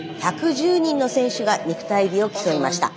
１１０人の選手が肉体美を競いました。